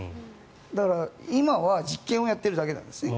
だから、北朝鮮は今は実験をやっているだけなんですね。